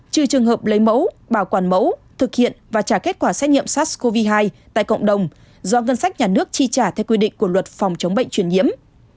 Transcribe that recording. trừ trường hợp lấy mẫu bảo quản mẫu thực hiện và trả kết quả xét nghiệm sars cov hai tại cộng đồng do ngân sách nhà nước chi trả theo quy định của luật phòng chống bệnh truyền nhiễm